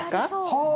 はあ！